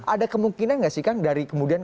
ada kemungkinan nggak sih kang dari kemudian